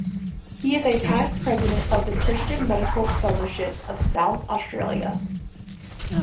He is a past president of the Christian Medical Fellowship of South Australia.